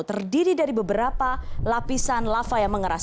terdiri dari beberapa lapisan lava yang mengeras